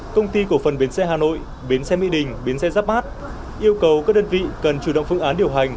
công ty cổ phần bến xe hà nội bến xe mỹ đình bến xe giáp bát yêu cầu các đơn vị cần chủ động phương án điều hành